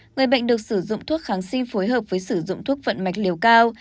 người bệnh được sử dụng thuốc kháng sinh phối hợp với sử dụng thuốc vận mạch liều cao